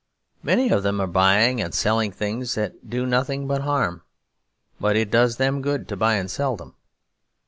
Many of them are buying and selling things that do nothing but harm; but it does them good to buy and sell them.